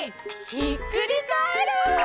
ひっくりカエル！